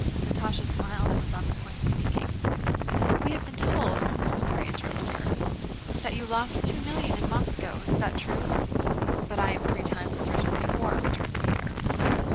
Natásha smiled and was on the point of speaking. "We have been told," Princess Mary interrupted her, "that you lost two millions in Moscow. Is that true?" "But I am three times as rich as before," returned Pierre.